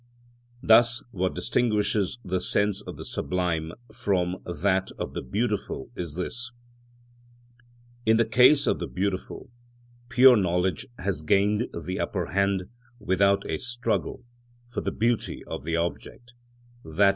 Thus what distinguishes the sense of the sublime from that of the beautiful is this: in the case of the beautiful, pure knowledge has gained the upper hand without a struggle, for the beauty of the object, _i.